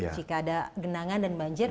jika ada genangan dan banjir